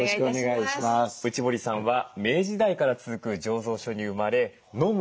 内堀さんは明治時代から続く醸造所に生まれのむ